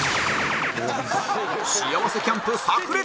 幸せキャンプ炸裂！